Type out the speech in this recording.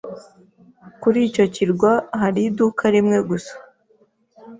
Kuri icyo kirwa hari iduka rimwe gusa.